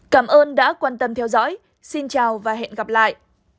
cảm ơn đã quan tâm theo dõi xin chào và hẹn gặp lại